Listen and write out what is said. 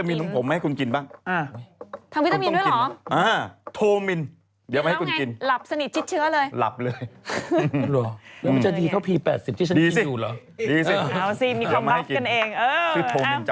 มีเค้าให้ดีจริงใช่ไหม